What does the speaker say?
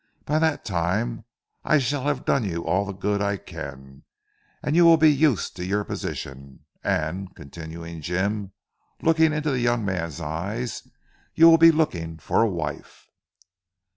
By that time I shall have done you all the good I can; you will be used to your position. And," continued Jim looking into the young man's eyes, "you will be looking for a wife."